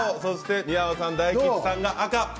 三山さん、大吉さんが赤。